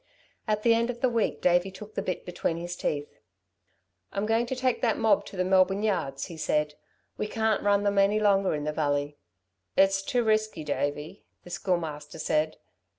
At the end of the week Davey took the bit between his teeth. "I'm going to take that mob to the Melbourne yards," he said. "We can't run them any longer in the Valley." "It's too risky, Davey," the Schoolmaster said.